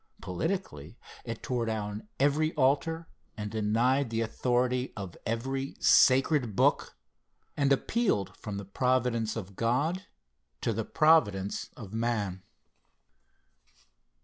Politically it tore down every altar and denied the authority of every "sacred book," and appealed from the Providence of God to the Providence of Man.